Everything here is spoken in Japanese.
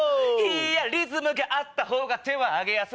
いやリズムがあったほうが手は上げやすい。